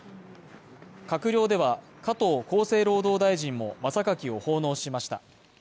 閣僚では、加藤厚生労働大臣も、まさかきを奉納しました。